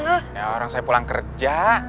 akhirnya orang saya pulang kerja